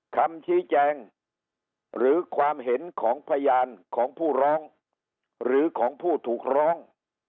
คำชี้แจงหรือความเห็นของพยานของผู้ร้องหรือของผู้ถูกร้อง